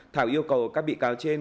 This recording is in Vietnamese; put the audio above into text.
thảo yêu cầu các bị cáo trên